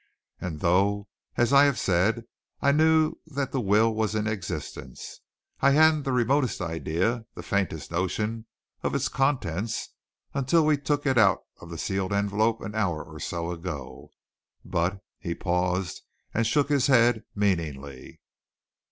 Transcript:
"And though, as I have said, I knew that the will was in existence, I hadn't the remotest idea, the faintest notion, of its contents until we took it out of the sealed envelope an hour or so ago. But " he paused and shook his head meaningly.